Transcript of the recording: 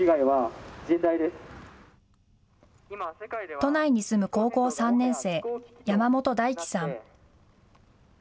都内に住む高校３年生、山本大貴さん。